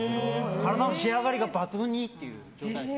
体の仕上がりが抜群にいい状態です。